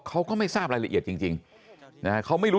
เขาก็ไม่ทราบรายละเอียดจริงนะฮะ